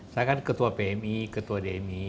saya kan ketua pmi ketua dmi